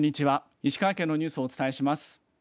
石川県のニュースをお伝えします。